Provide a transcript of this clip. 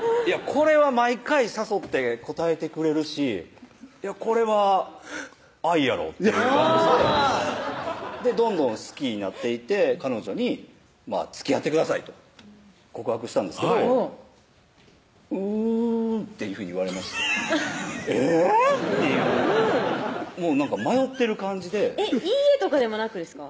これは毎回誘って応えてくれるしこれは愛やろという感じでどんどん好きになっていて彼女に「つきあってください」と告白したんですけど「うん」っていうふうに言われましてえぇ⁉っていう迷ってる感じで「いいえ」とかでもなくですか？